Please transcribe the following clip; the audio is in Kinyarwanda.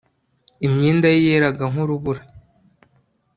imyenda ye yeraga nk urubura